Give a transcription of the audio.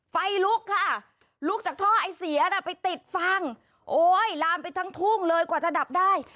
ไฟลุกค่ะลุกจากท่อไอเสียน่ะไปติดฟางโอ้ยลามไปทั้งทุ่งเลยกว่าจะดับได้